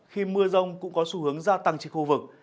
khi mưa rông cũng có xu hướng gia tăng trên khu vực